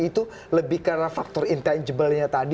itu lebih karena faktor intangiblenya tadi